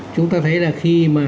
chúng ta thấy là khi mà